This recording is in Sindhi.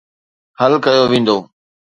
حل ڪيو ويندو.